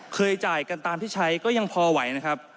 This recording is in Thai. จ่ายกันตามที่ใช้ก็ยังพอไหวนะครับ